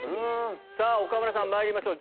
さぁ岡村さんまいりましょう。